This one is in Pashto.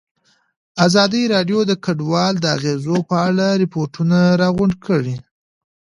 ازادي راډیو د کډوال د اغېزو په اړه ریپوټونه راغونډ کړي.